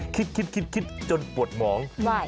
คิดคิดจนปวดหมอง